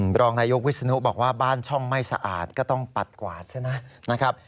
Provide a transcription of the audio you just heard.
รองนายกวิศนุบอกว่าบ้านช่องไม่สะอาดก็ต้องปัดกวาดใช่ไหมนะครับ